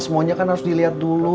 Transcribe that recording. semuanya kan harus dilihat dulu